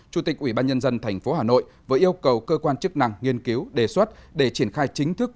chủ tịch ubnd tp hà nội vừa yêu cầu cơ quan chức năng nghiên cứu đề xuất để triển khai chính thức